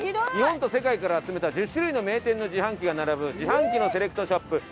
日本と世界から集めた１０種類の名店の自販機が並ぶ自販機のセレクトショップ